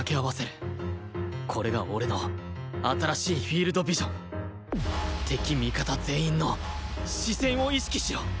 これが俺の新しいフィールドビジョン敵味方全員の視線を意識しろ！